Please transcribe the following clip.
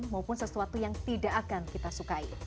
maupun sesuatu yang tidak akan kita sukai